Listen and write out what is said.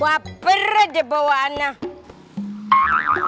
baper aja bawa anak